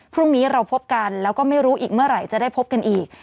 พรุ่งนี้เราพบกันแล้วก็ไม่รู้อีกเมื่อไหร่จะได้พบกันอีก